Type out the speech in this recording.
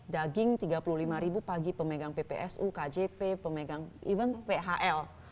daging tiga puluh lima pagi pemegang ppsu kjp pemegang even phl